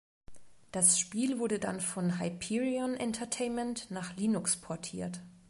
Das Spiel wurde dann von Hyperion Entertainment nach Linux portiert.